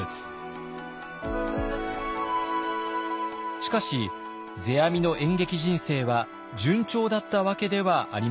しかし世阿弥の演劇人生は順調だったわけではありません。